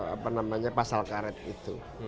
apa namanya pasal karet itu